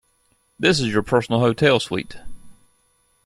This is your personal hotel suite.